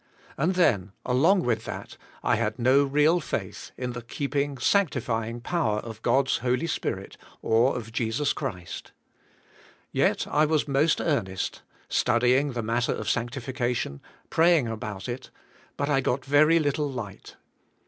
And then, along with that, I had no real faith in the keeping , sanctifying power of God's Holy Spirit or of Jesus Christ. Yet I was most earnest, study ing the matter of sanctification, praying about it, but I g ot very little lig ht.